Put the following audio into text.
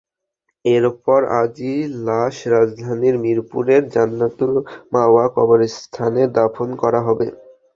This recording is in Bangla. এরপর আজই লাশ রাজধানীর মিরপুরের জান্নাতুল মাওয়া কবরস্থানে দাফন করা হবে।